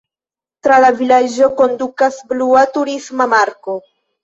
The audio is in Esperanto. Tra la vilaĝo kondukas blua turisma marko.